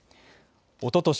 おととし